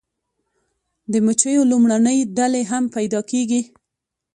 د مچیو لومړنۍ ډلې هم پیدا کیږي